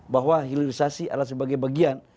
bahwa hilirisasi adalah sebagai bagian